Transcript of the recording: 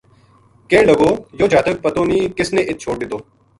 کہن لگا یوہ جاتک پتو نے کسنے اِت چھوڈ دِتو